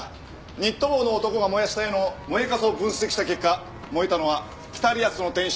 ニット帽の男が燃やした絵の燃えカスを分析した結果燃えたのは『北リアスの天使』のレプリカでした。